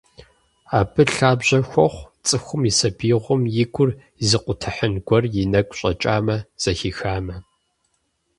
Абы лъабжьэ хуохъу цӀыхум и сабиигъуэм и гур изыкъутыхьын гуэр и нэгу щӀэкӀамэ, зэхихамэ.